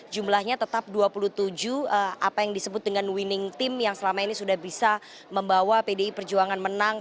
jumlahnya tetap dua puluh tujuh apa yang disebut dengan winning team yang selama ini sudah bisa membawa pdi perjuangan menang